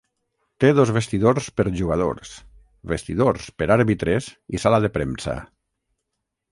Té dos vestidors per jugadors, vestidors per àrbitres i sala de premsa.